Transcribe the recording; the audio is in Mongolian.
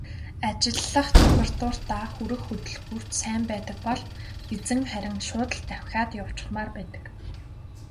Ажиллах температуртаа хүрэх хөдөлгүүрт сайн байдаг бол эзэн харин шууд л давхиад явчихмаар байдаг.